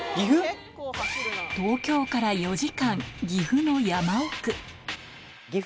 東京から４時間岐阜の山奥